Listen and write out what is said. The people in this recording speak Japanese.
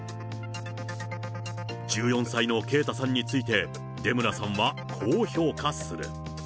１４歳の圭太さんについて出村さんはこう評価する。